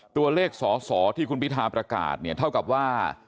ตัวเลขสสที่คุณภิษฐาประกาศเท่ากับว่า